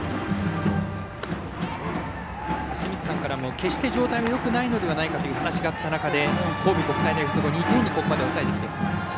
清水さんからも決して状態はよくはないんじゃないかという話があった中で神戸国際大付属をここまで２点に抑えてきています。